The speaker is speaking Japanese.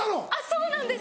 そうなんです。